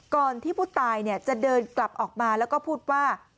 ก่อนที่ผู้ตายจะเดินกลับออกมาแล้วก็พูดว่า